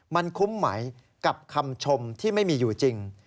มันคุ้มไหมกับคำชมที่ไม่มีอยู่จริง